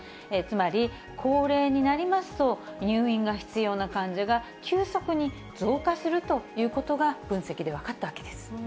つまり高齢になりますと、入院が必要な患者が急速に増加するということが分析で分かったわけです。